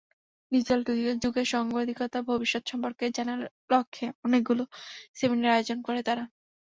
Digital যুগে সাংবাদিকতার ভবিষ্যৎ সম্পর্কে জানার লক্ষ্যে অনেকগুলো সেমিনার আয়োজন করে তারা।